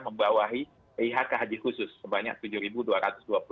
membawahi pihk haji khusus sebanyak rp tujuh dua ratus dua puluh